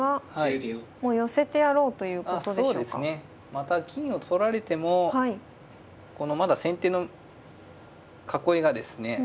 また金を取られてもこのまだ先手の囲いがですね